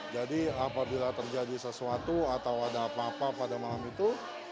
jadi apabila terjadi sesuatu atau ada apa apa pada malam itu